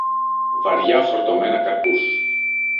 βαριά φορτωμένα καρπούς